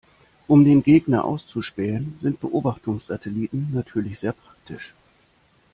Um den Gegner auszuspähen, sind Beobachtungssatelliten natürlich sehr praktisch.